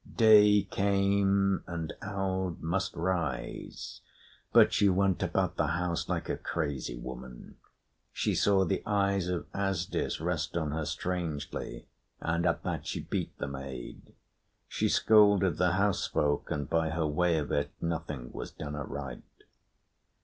Day came, and Aud must rise; but she went about the house like a crazy woman. She saw the eyes of Asdis rest on her strangely, and at that she beat the maid. She scolded the house folk, and, by her way of it, nothing was done aright.